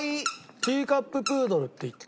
ティーカッププードルっていって。